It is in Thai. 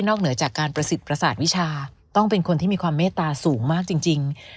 เหนือจากการประสิทธิ์ประสาทวิชาต้องเป็นคนที่มีความเมตตาสูงมากจริง